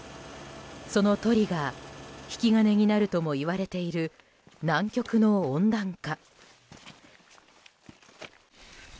そのトリガー引き金になるともいわれている南極の温暖化。